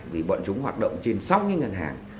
vì bọn chúng hoạt động trên sóc như ngân hàng